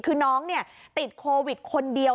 คือน้องติดโควิดคนเดียว